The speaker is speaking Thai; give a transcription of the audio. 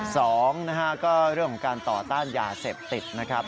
สองนะฮะก็เรื่องของการต่อต้านยาเสพติดนะครับ